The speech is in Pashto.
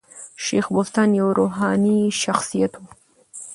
شېخ بُستان یو روحاني شخصیت وو.